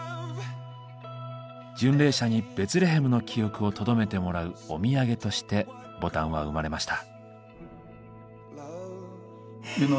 巡礼者にベツレヘムの記憶をとどめてもらうお土産としてボタンは生まれました。